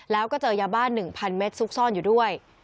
แล้วก็เจอยาบ้าน๑๐๐เมตรซุกซ่อนอยู่ด้วย